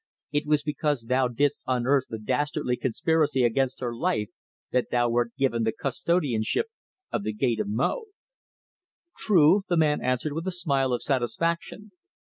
It was because thou didst unearth the dastardly conspiracy against her life that thou wert given the custodianship of the Gate of Mo." "True," the man answered with a smile of satisfaction.